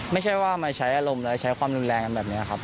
ไม่ใช่ว่ามาใช้อารมณ์แล้วใช้ความรุนแรงกันแบบนี้ครับ